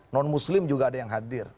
non muslim juga ada yang hadir